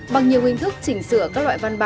bằng nhiều hình thức chỉnh sửa các loại văn bản